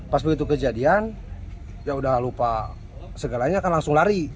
pas begitu kejadian ya udah lupa segalanya kan langsung lari